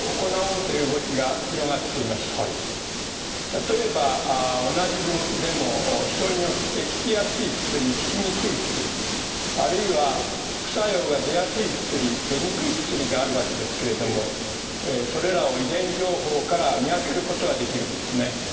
例えば同じ病気でも人によって効きやすい薬効きにくい薬あるいは副作用が出やすい薬出にくい薬があるわけですけれどもそれらを遺伝情報から見分けることができるんですね。